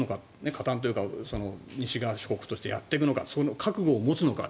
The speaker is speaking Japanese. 加担というか西側諸国としてやっていくのか覚悟を持つのか。